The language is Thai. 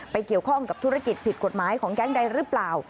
เกี่ยวข้องกับธุรกิจผิดกฎหมายของแก๊งใดหรือเปล่า